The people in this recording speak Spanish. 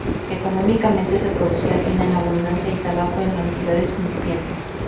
Económicamente se producía quina en abundancia y tabaco en cantidades incipientes.